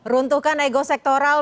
runtuhkan ego sektoral